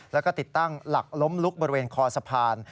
แล้วก็ติดตั้งหลักล้มลุกบริเวณคอสะพาน